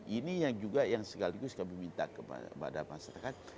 ini yang juga yang sekaligus kami minta kepada masyarakat